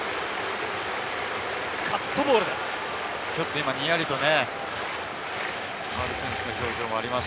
カットボールです。